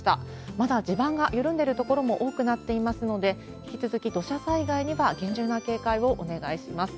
まだ地盤が緩んでる所も多くなっていますので、引き続き土砂災害には、厳重な警戒をお願いします。